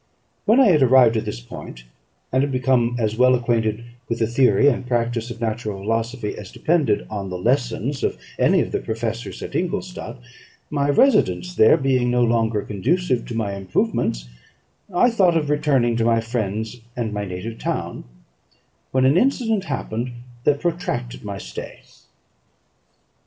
When I had arrived at this point, and had become as well acquainted with the theory and practice of natural philosophy as depended on the lessons of any of the professors at Ingolstadt, my residence there being no longer conducive to my improvements, I thought of returning to my friends and my native town, when an incident happened that protracted my stay.